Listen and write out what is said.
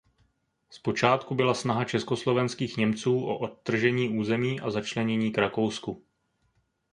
Z počátku byla snaha československých Němců o odtržení území a začlenění k Rakousku.